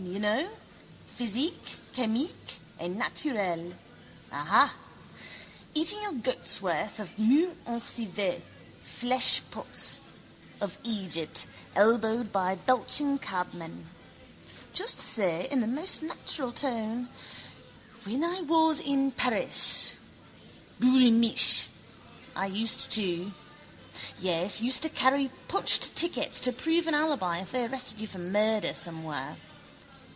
you know: physiques, chimiques et naturelles. Aha. Eating your groatsworth of mou en civet, fleshpots of Egypt, elbowed by belching cabmen. Just say in the most natural tone: when I was in Paris; boul' Mich', I used to. Yes, used to carry punched tickets to prove an alibi if they arrested you for murder somewhere.